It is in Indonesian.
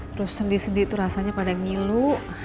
terus sendi sendi itu rasanya pada ngilu